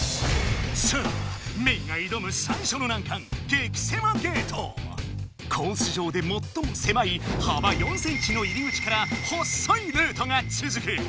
さあメイが挑む最初の難関コース上でもっともせまいはば４ｃｍの入り口からほっそいルートがつづく！